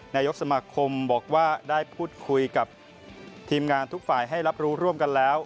นายกสมาคมบอกว่าได้พูดคุยกับทีมงานทุกฝ่ายให้รับรู้ร่วมกันแล้ว